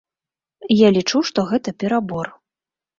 Я лічу, што гэта перабор.